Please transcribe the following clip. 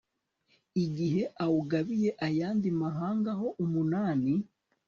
igihe awugabiye ayandi mahanga ho umunani